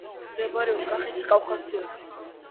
მდებარეობს კახეთის კავკასიონზე.